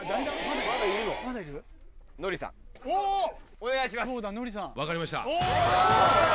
お願いします